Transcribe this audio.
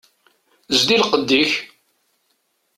Zdi lqedd-ik!